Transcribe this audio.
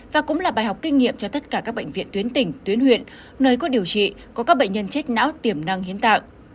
và cũng là bài học kinh nghiệm cho tất cả các bệnh viện tuyến tỉnh tuyến huyện nơi có điều trị có các bệnh nhân chết não tiềm năng hiến tạng